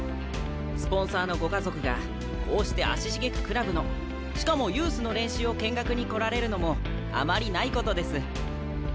スポンサーのご家族がこうして足しげくクラブのしかもユースの練習を見学に来られるのもあまりないことです。